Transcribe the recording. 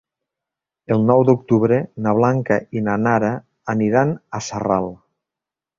El nou d'octubre na Blanca i na Nara aniran a Sarral.